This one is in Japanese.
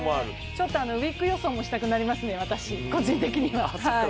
ちょっとウィッグ予想もしたくなりますね、個人的には。